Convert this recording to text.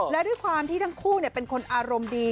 และด้วยความที่ทั้งคู่เป็นคนอารมณ์ดี